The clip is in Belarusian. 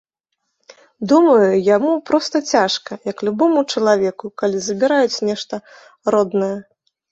Думаю, яму проста цяжка, як любому чалавеку, калі забіраюць нешта роднае.